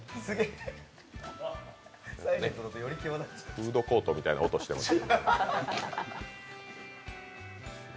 フードコートみたいな音してます。